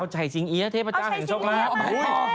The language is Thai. เอาชัยชิงอียะเทพเจ้าเห็นโชคราบ